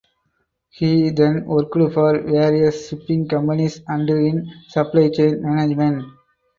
He then worked for various shipping companies and in supply chain management.